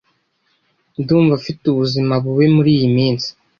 Ndumva afite ubuzima bubi muriyi minsi.